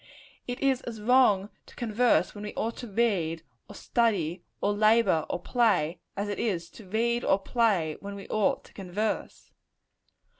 It is as wrong to converse when we ought to read, or study, or labor, or play, as it is to read or play when we ought to converse.